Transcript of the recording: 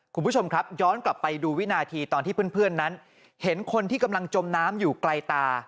คุณผู้ชมครับย้อนกลับไปดูวินาทีตอนที่เพื่อนนั้นเห็นคนที่กำลังจมน้ำอยู่ไกลตา